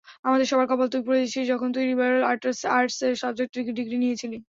আমাদের সবার কপাল তুই পুড়িয়েছিস, যখন তুই লিবারল আর্টসের সাবজেক্টে ডিগ্রী নিয়েছিলি।